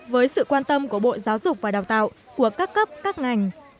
với sự quan tâm của bộ giáo dục và đào tạo của các cấp các ngành